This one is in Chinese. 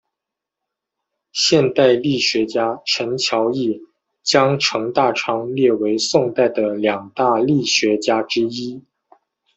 现代郦学家陈桥驿将程大昌列为宋代的两大郦学家之一。